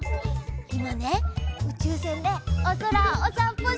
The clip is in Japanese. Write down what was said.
いまねうちゅうせんでおそらをおさんぽしているんだ！